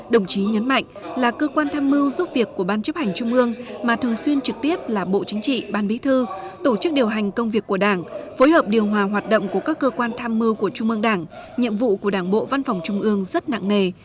đồng chí nhấn mạnh là cơ quan tham mưu giúp việc của ban chấp hành trung ương mà thường xuyên trực tiếp là bộ chính trị ban bí thư tổ chức điều hành công việc của đảng phối hợp điều hòa hoạt động của các cơ quan tham mưu của trung mương đảng nhiệm vụ của đảng bộ văn phòng trung ương rất nặng nề